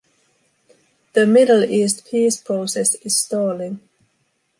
The Middle East peace process is stalling.